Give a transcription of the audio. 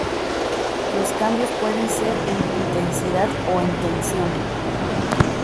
Los cambios pueden ser en intensidad o en tensión.